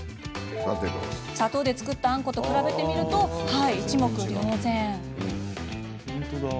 砂糖で作ったあんこと比べてみると一目瞭然。